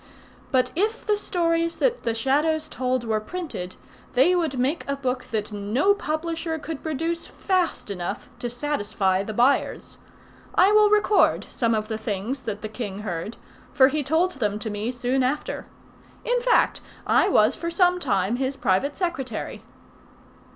But if the stories that the Shadows told were printed, they would make a book that no publisher could produce fast enough to satisfy the buyers. I will record some of the things that the king heard, for he told them to me soon after. In fact, I was for some time his private secretary.